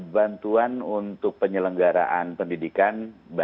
bantuan untuk penyelenggaraan pendidikan